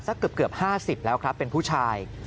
เกือบ๕๐แล้วครับเป็นผู้ชาย